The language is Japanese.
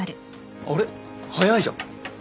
早いじゃん。